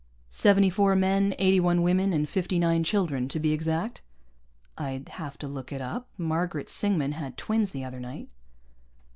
"Seventy four men, eighty one women, and fifty nine children, to be exact?" "I'd have to look it up. Margaret Singman had twins the other night."